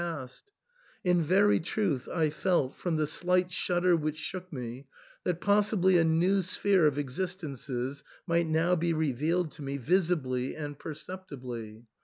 227 past — in very truth, I felt, from the slight shudder which shook me, that possibly a new sphere of ex istences might now be revealed to me visibly and perceptibly.